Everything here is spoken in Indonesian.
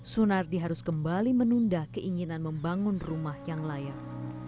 sunardi harus kembali menunda keinginan membangun rumah yang layak